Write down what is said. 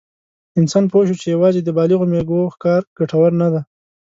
انسان پوه شو چې یواځې د بالغو مېږو ښکار ګټور نه دی.